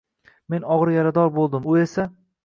Men og`ir yarador bo`ldim, u esa…